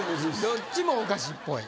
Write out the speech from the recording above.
どっちもお菓子っぽい？